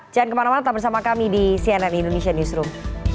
jangan kemana mana tetap bersama kami di cnn indonesia newsroom